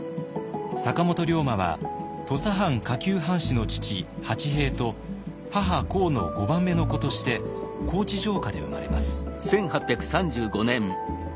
坂本龍馬は土佐藩下級藩士の父八平と母幸の５番目の子として高知城下で生まれます。